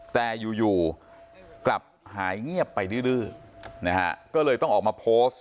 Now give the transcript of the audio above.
แต่อยู่อยู่กลับหายเงียบไปดื้อนะฮะก็เลยต้องออกมาโพสต์